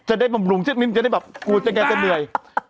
จะได้บำรุงเช็ดมิ้นจะได้แบบกูจะเงียบเต็มเหนื่อย